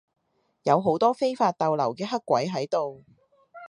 有好多非法逗留嘅黑鬼喺度